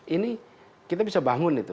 ini kita bisa bangun itu